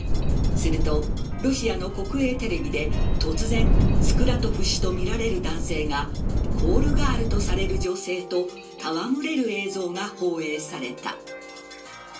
するとロシアの国営テレビで突然スクラトフ氏とみられる男性がコールガールとされる女性と戯れる映像が放映された。